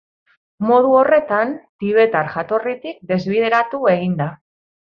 Modu horretan, tibetar jatorritik desbideratu egin da.